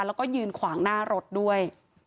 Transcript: แล้วก็ยืนขวางหน้ารถด้วย